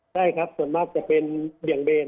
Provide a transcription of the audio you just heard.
ใช่ครับส่วนมากจะเป็นเบี่ยงเบน